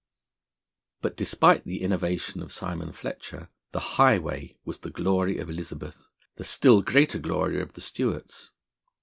But, despite the innovation of Simon Fletcher, the highway was the glory of Elizabeth, the still greater glory of the Stuarts.